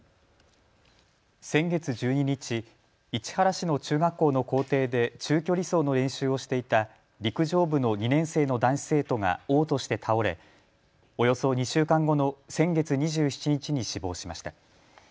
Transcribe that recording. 先月１２日、市原市の中学校の校庭で中距離走の練習をしていた陸上部の２年生の男子生徒がおう吐して倒れおよそ２週間後の先月２７日に死亡しました。